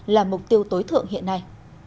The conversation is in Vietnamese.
là mục tiêu tối thượng hiện nay